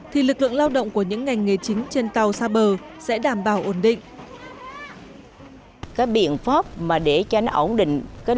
thì lực lượng lao động của những ngành nghề chính trên tàu xa bờ sẽ đảm bảo ổn định